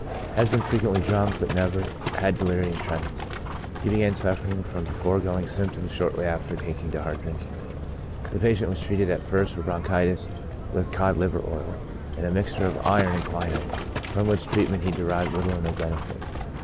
Has been frequently drunk, but never had de lirium tremens. He began suffering from the foregoing symptoms shortly after taking to hard drinking. This patient was treated at first for bronchitis, with cod liver oil^ and a mixture of iron and quinine ; from which treatment he derived little or no benefit.